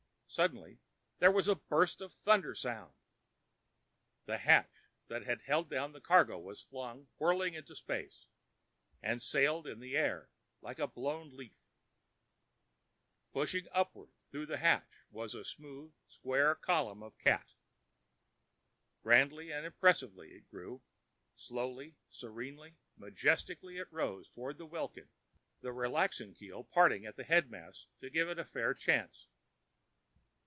Suddenly "there was a burst of thunder sound!" The hatch that had held down the cargo was flung whirling into space and sailed in the air like a blown leaf. Pushing upward through the hatchway was a smooth, square column of cat. Grandly and impressively it grew—slowly, serenely, majestically it rose toward the welkin, the relaxing keel parting the mastheads to give it a fair chance.